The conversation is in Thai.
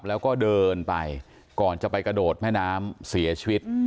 แล้วก็เดินไปก่อนจะไปกระโดดแม่น้ำเสียชีวิต